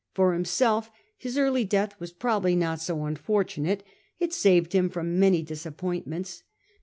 For himself, his early death was prob ably not so unfortunate : it saved him from many dis appointments.